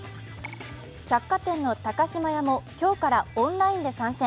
百貨店の高島屋も今日からオンラインで参戦。